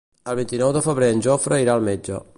El vint-i-nou de febrer en Jofre irà al metge.